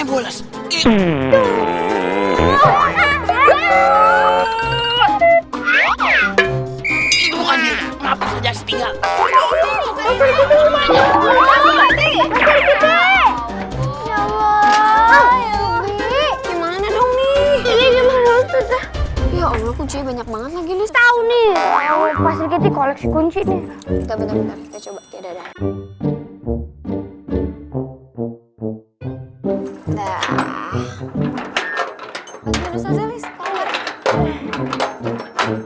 banyak banget lagi nih tahu nih koleksi kunci